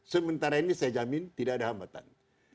sementara ini saya jamin tidak ada hambatan